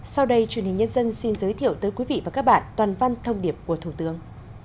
sau đây truyền hình nhân dân xin giới thiệu tới quý vị và các bạn toàn văn thông điệp của thủ tướng